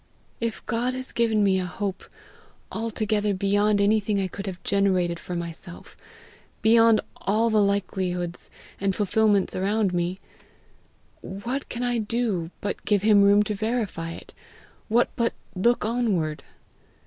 If God has given me a hope altogether beyond anything I could have generated for myself, beyond all the likelihoods and fulfilments around me, what can I do but give him room to verify it what but look onward!